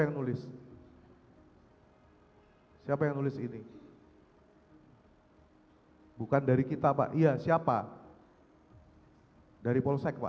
yang nulis hai siapa yang nulis ini bukan dari kita pak iya siapa dari polsek pak